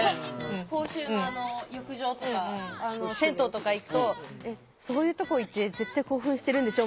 公衆の浴場とか銭湯とか行くと「そういうとこ行って絶対興奮してるんでしょ？」